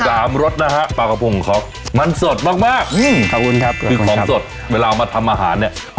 สามรสนะฮะปลากับผงของมันสดมากมากขอบคุณครับมีของสดเวลามาทำอาหารเนี้ย